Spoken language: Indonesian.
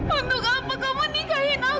untuk apa kamu nikahin aku